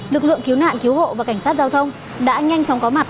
lực lượng cứu nạn cứu hộ và cảnh sát giao thông đã nhanh chóng có mặt